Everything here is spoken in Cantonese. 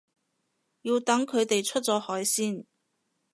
要等佢哋出咗海先